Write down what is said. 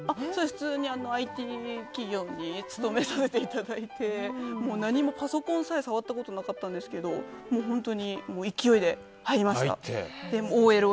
普通にＩＴ企業に勤めさせていただいて何もパソコンさえ触ったことなかったんですけど勢いで入りました。